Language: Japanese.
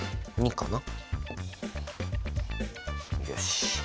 よし！